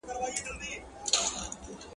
د ګل غوټیو شونډې ولې په تنده کې بوڅې ښکارېدې؟